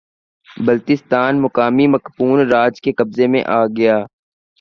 بلتستان مقامی مقپون راج کے قبضے میں آگیا